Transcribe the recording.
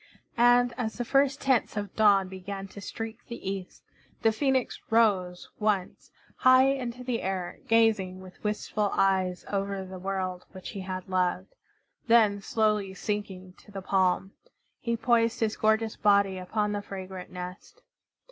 And as the first tints of dawn began to streak the east, the Phoenix rose once, high into the air, gazing with wistful eyes over the world which he had loved; then, slowly sinking to the palm, he poised his gorgeous body upon the fragrant nest.